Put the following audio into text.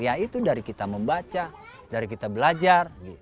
ya itu dari kita membaca dari kita belajar